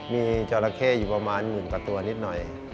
มีจราเข้อยู่ประมาณหมื่นกว่าตัวนิดหน่อย